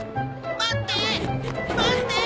待ってー！